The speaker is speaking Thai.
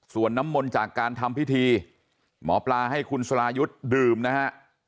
ส่วนน้ำมนต์จากการทำพิธีหมอปลาให้คุณสรายุทธ์ดื่มนะฮะ